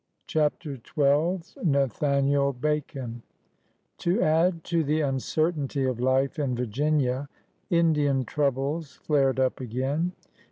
CHAPTER Xn NATHANIEL BACON To add to the uncertainty of life in Virginia, In dian troubles flared up again.